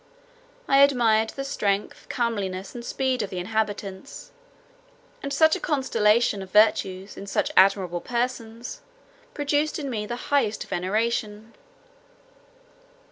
I admired the strength, comeliness, and speed of the inhabitants; and such a constellation of virtues, in such amiable persons, produced in me the highest veneration.